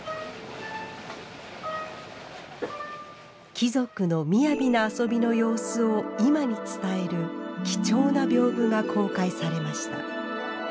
貴族のみやびな遊びの様子を今に伝える貴重な屏風が公開されました。